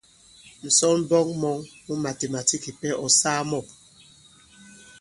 Ǹsɔnmbɔk mɔ̄ŋ mu màtèmàtîk kìpɛ, ɔ̀ saa mɔ̂ ?